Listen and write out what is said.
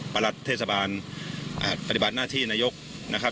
หลัดเทศบาลปฏิบัติหน้าที่นายกนะครับ